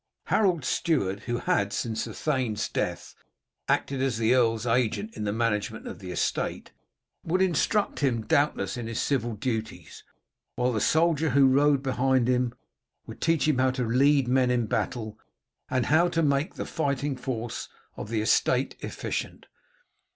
Harold's steward, who had since the thane's death acted as the earl's agent in the management of the estate, would instruct him doubtless in his civil duties, while the soldier who rode behind him would teach him how to lead men in battle, and how to make the fighting force of the estate efficient.